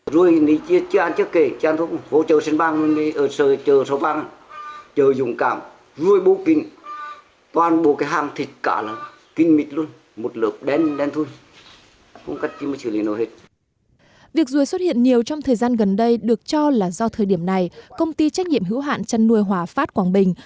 ruồi xuất hiện nhiều trong thời gian gần đây được cho là do thời điểm này công ty trách nhiệm hữu hạn chăn nuôi hòa phát quảng bình